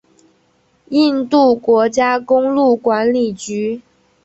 印度国家公路管理局。